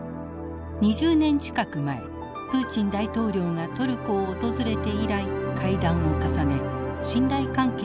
２０年近く前プーチン大統領がトルコを訪れて以来会談を重ね信頼関係を築いてきました。